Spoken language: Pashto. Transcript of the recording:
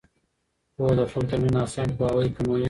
پوهه د خلکو ترمنځ ناسم پوهاوی کموي.